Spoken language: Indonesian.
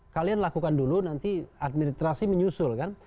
kalian lakukan dulu nanti administrasi menyusul kan